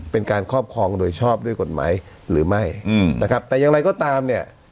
เป็นการครอบครองโดยชอบด้วยกฎหมายหรือไม่นะครับแต่อย่างไรก็ตามเนี่ย